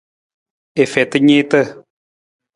I feta niita.